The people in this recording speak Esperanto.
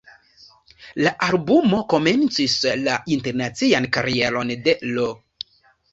La albumo komencis la internacian karieron de Lo.